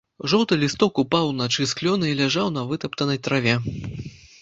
Жоўты лісток упаў уначы з клёна і ляжаў на вытаптанай траве.